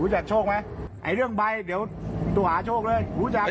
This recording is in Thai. รู้จักโชคไหมไอ้เรื่องใบ้เดี๋ยวตัวหาโชคเลยรู้จักครับ